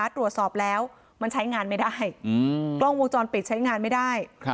ตรวจสอบแล้วมันใช้งานไม่ได้กล้องวงจรปิดใช้งานไม่ได้